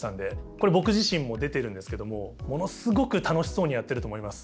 これ僕自身も出てるんですけどもものすごく楽しそうにやってると思います。